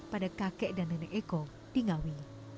pada kakek dan nenek eko di ngawi